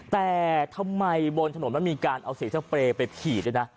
แต่ทำไมบนถนนมันมีการเอาสีสเปรย์ไปขี่ด้วยนะ